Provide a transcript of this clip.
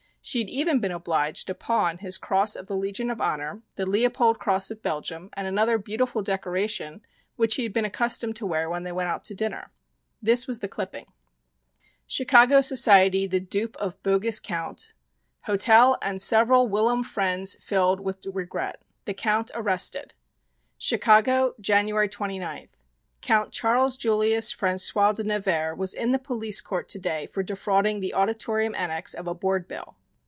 She had even been obliged to pawn his cross of the Legion of Honor, the Leopold Cross of Belgium, and another beautiful decoration which he had been accustomed to wear when they went out to dinner. This was the clipping: CHICAGO SOCIETY THE DUPE OF BOGUS COUNT HOTEL AND SEVERAL WHILOM FRIENDS FILLED WITH REGRET THE "COUNT" ARRESTED Chicago, Jan. 29. "Count Charles Julius François de Nevers" was in the Police court to day for defrauding the Auditorium Annex of a board bill.